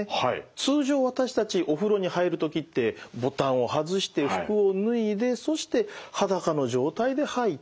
通常私たちお風呂に入る時ってボタンを外して服を脱いでそして裸の状態で入って。